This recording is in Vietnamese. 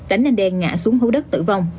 cánh anh đen ngã xuống hố đất tử vong